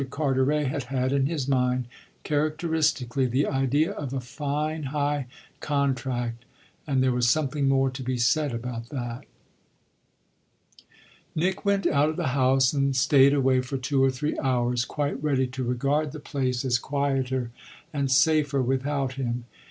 Carteret had had in his mind, characteristically, the idea of a fine high contract, and there was something more to be said about that. Nick went out of the house and stayed away for two or three hours, quite ready to regard the place as quieter and safer without him.